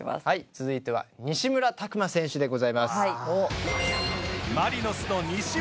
続いては西村拓真選手でございます。